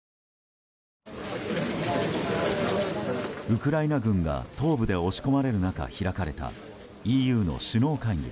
ウクライナ軍が東部で押し込まれる中、開かれたＥＵの首脳会議。